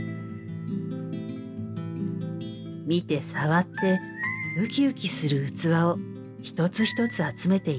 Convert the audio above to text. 見て触ってウキウキする器を一つ一つ集めている。